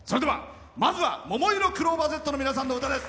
まずはももいろクローバーＺの皆さんの歌です。